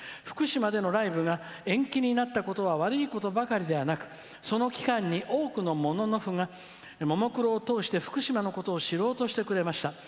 福島でのライブが延期になったことは悪いことばかりではなくその期間に多くのモノノフがももクロを通して、福島のことを知ろうとしてくれました。